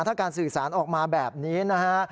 ถ้าการสื่อสารออกมาแบบนี้นะฮะ